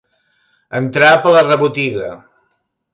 Entrar per la rebotiga.